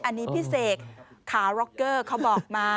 อันนี้พี่เสกขาร็อกเกอร์เขาบอกมา